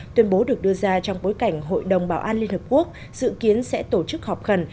tuyên bố được đưa ra trong bối cảnh hội đồng bảo an liên hợp quốc dự kiến sẽ tổ chức họp khẩn